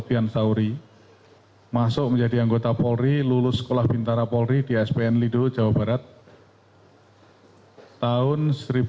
dian sauri masuk menjadi anggota polri lulus sekolah bintara polri di spn lido jawa barat tahun seribu sembilan ratus sembilan puluh